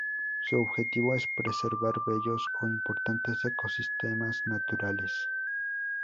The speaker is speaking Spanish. Su objetivo es preservar bellos o importantes ecosistemas naturales.